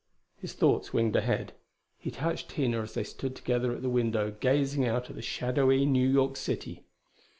His thoughts winged ahead. He touched Tina as they stood together at the window gazing out at the shadowy New York City.